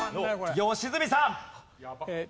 良純さん。